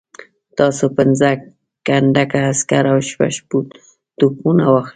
تاسو پنځه کنډکه عسکر او شپږ توپونه واخلئ.